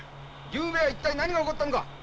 ゆうべは一体何が起こったのだ。